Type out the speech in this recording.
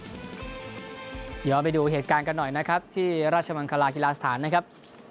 เดี๋ยวย้อนไปดูเหตุการณ์กันหน่อยนะครับที่ราชมังคลากีฬาสถานนะครับ